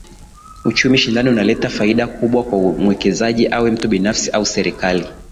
Uchumi shindani unaleta faida zaidi kwa muwekezaji awe mtu binafsi au serikali